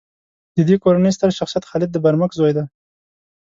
د دې کورنۍ ستر شخصیت خالد د برمک زوی دی.